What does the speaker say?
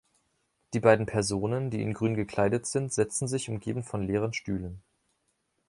Die beiden Personen, die in Grün gekleidet sind, setzen sich umgeben von leeren Stühle.